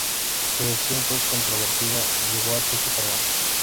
Su elección fue controvertida y llevó a choques armados.